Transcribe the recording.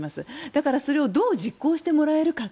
だからそれをどう実行してもらえるか。